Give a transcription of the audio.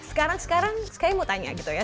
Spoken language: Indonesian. sekarang sekarang saya mau tanya gitu ya